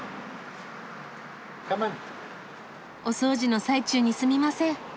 お掃除の最中にすみません。